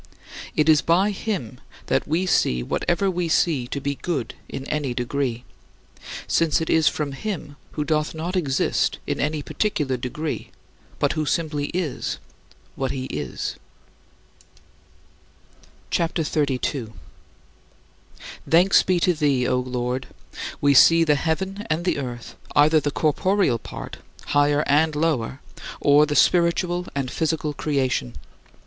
" It is by him that we see whatever we see to be good in any degree, since it is from him, who doth not exist in any particular degree but who simply is what he is. CHAPTER XXXII 47. Thanks be to thee, O Lord! We see the heaven and the earth, either the corporeal part higher and lower or the spiritual and physical creation.